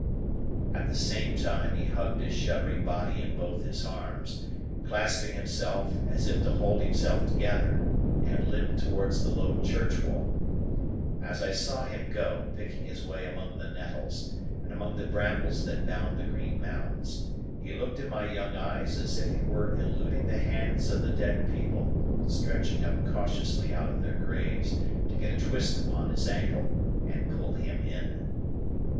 At the same time, he hugged his shuddering body in both his arms,—clasping himself, as if to hold himself together,—and limped towards the low church wall. As I saw him go, picking his way among the nettles, and among the brambles that bound the green mounds, he looked in my young eyes as if he were eluding the hands of the dead people, stretching up cautiously out of their graves, to get a twist upon his ankle and pull him in.